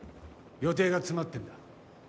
予定が詰まってんだ。